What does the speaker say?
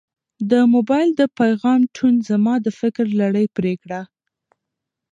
د موبایل د پیغام ټون زما د فکر لړۍ پرې کړه.